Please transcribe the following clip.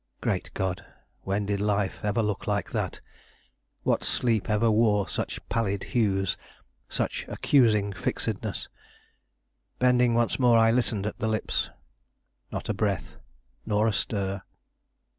Great God! when did life ever look like that? What sleep ever wore such pallid hues, such accusing fixedness? Bending once more I listened at the lips. Not a breath, nor a stir.